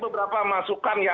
dan dari beberapa masukan ya